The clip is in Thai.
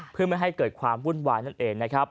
เพื่อไม่ให้เกิดความวุ่นวายนั่นเองนะครับ